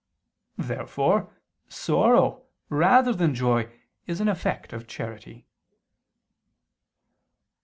Therefore sorrow, rather than joy, is an effect of charity.